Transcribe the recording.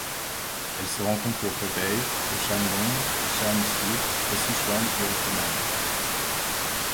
Elle se rencontre au Hebei, au Shandong, au Shaanxi, au Sichuan et au Henan.